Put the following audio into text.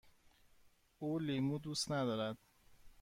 او لیمو دوست ندارد.